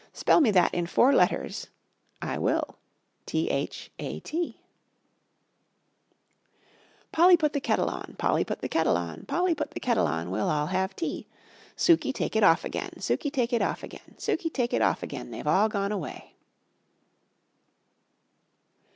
Spell me that in four letters: I will: T H A T. Polly, put the kettle on, Polly, put the kettle on, Polly, put the kettle on, We'll all have tea. Sukey, take it off again, Sukey, take it off again, Sukey, take it off again, They're all gone away.